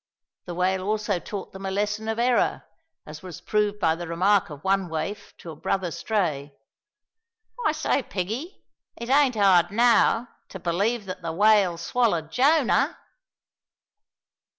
The whale also taught them a lesson of error, as was proved by the remark of one waif to a brother stray: "I say, Piggie, it ain't 'ard now, to b'lieve that the whale swallered Jonah."